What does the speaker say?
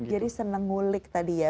jadi seneng ngulik tadi ya